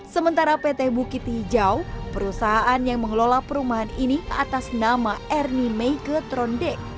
sementara pt bukit hijau perusahaan yang mengelola perumahan ini atas nama ernie meike trondek